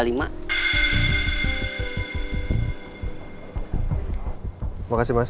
terima kasih mas